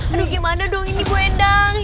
aduh gimana dong ini bu wendang